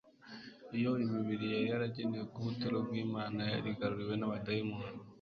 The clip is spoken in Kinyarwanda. Iyo mibiri yari yaragenewe kuba ubuturo bw'Imana yari yarigaruriwe n'abadayimoni.